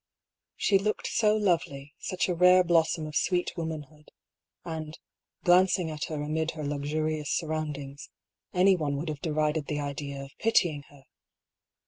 She looked so lovely, such a rare blossom of sweet womanhood ; and, glancing at her amid her luxurious MERCEDES. 207 surroundings, anyone would, have derided the idea of pitying her.